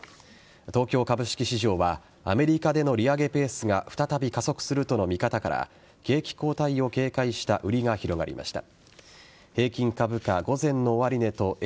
東京株式市場はアメリカでの利上げペースが再び加速するとの見方から景気後退を警戒した売りが広がりました。